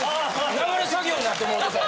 流れ作業になってもうてた。